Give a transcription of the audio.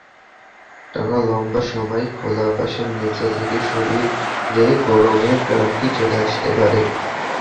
টানা লম্বা সময় খোলা আকাশের নিচে থেকে শরীরে গরমের ক্লান্তি চলে আসতে পারে।